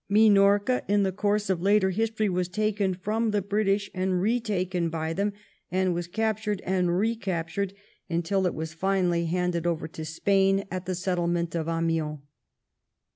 Minorca, in the course of later history, was taken from the British and retaken by them, and was captured and recaptured until it was finally handed over to Spain at the settlement of Amiens.